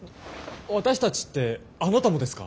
私たちってあなたもですか？